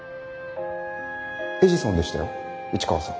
エジソンでしたよ市川さん。